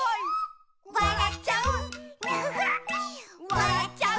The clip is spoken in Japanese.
「わらっちゃう」